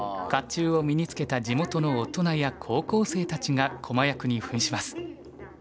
ちゅうを身につけた地元の大人や高校生たちが駒役にふんします。